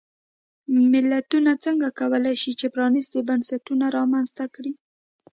ملتونه څنګه کولای شي چې پرانیستي بنسټونه رامنځته کړي.